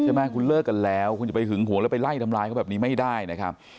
คุณแม่คุณเลิกกันแล้วคุณจะไปหึงหวงแล้วไปไล่ทำร้ายเขาแบบนี้ไม่ได้นะครับ